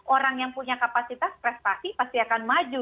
orang yang punya kapasitas prestasi pasti akan maju